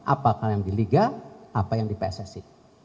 apakah yang di liga apa yang di pssi